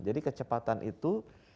jadi kecepatan itu